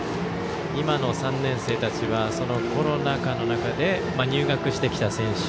今の３年生たちはそのコロナ禍の中で入学してきた選手。